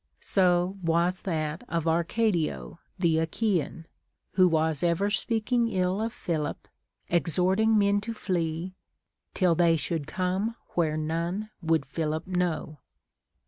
So was that of Arcadio the Achaean, who was ever speaking ill of Philip, exhorting men to flee Till they should come where none would Philip know.